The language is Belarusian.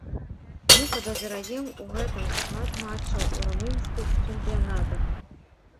Мы падазраем у гэтым шмат матчаў у румынскіх чэмпіянатах.